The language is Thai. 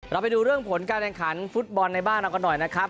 ไปดูเรื่องผลการแข่งขันฟุตบอลในบ้านเรากันหน่อยนะครับ